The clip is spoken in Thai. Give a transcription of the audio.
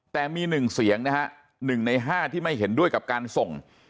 แต่มี๑เสียงนะฮะ๑ใน๕ที่ไม่เห็นด้วยกับการส่ง